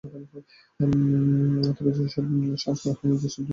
তবে যেসব অংশ এখনো সংস্কার হয়নি, সেসব দু-এক দিনের মধ্যেই শেষ হবে।